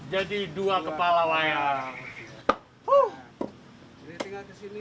jadi dua kepala wayang